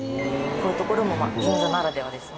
こういうところも銀座ならではですね。